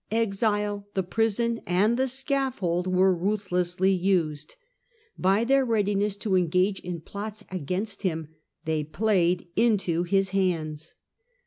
Exile, the prison, and the scaffold were ruthlessly used. By their readiness to engage in plots against him they played into his hands.